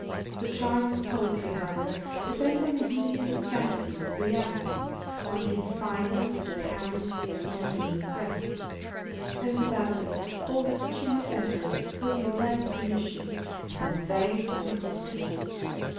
The charm of poetry, however, depends on the union of fancy with reality, on its finding a tally in the human breast ; and without this all its tumid efforts will be less pernicious than vain and abortive.